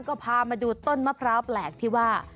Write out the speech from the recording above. ก็พามาดูต้นมะพร้าวแปลกที่ว่า